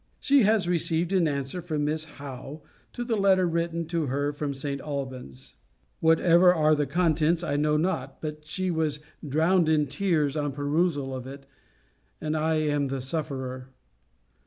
She has received an answer from Miss Howe, to the letter written to her from St. Alban's.* * See Vol. II. Letter XLVIII. Whatever are the contents, I know not; but she was drowned in tears on the perusal of it. And I am the sufferer.